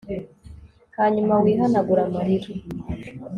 hanyuma wihanagure amarira